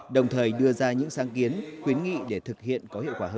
đồng thời đưa ra những sáng kiến khuyến nghị để thực hiện có hiệu quả hơn